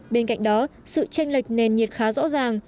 bên cạnh đó sự tranh lệch nền nhiệt khá rõ ràng